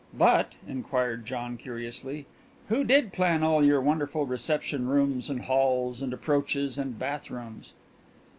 "But," inquired John curiously, "who did plan all your wonderful reception rooms and halls, and approaches and bathrooms